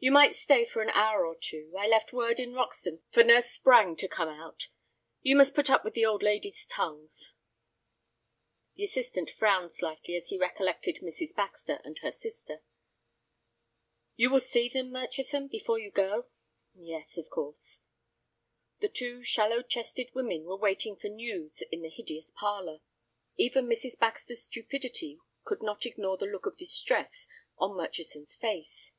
"You might stay for an hour or two. I left word in Roxton for Nurse Sprange to come out. You must put up with the old ladies' tongues." The assistant frowned slightly as he recollected Mrs. Baxter and her sister. "You will see them, Murchison, before you go?" "Yes, of course." The two shallow chested women were waiting for news in the hideous parlor. Even Mrs. Baxter's stupidity could not ignore the look of distress on Murchison's face.